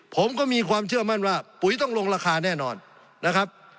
ผมก็มีความเชื่อมั่นว่าปุ๋ยต้องลงราคาแน่นอนนะครับ